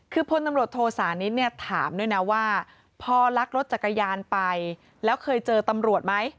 คือพลตำรวจโทสานิทเนี่ยถามด้วยนะว่าพอลักรถจักรยานไปแล้วเคยเจอตำรวจไหม